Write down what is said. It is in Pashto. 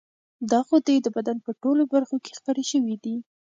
دا غدې د بدن په ټولو برخو کې خپرې شوې دي.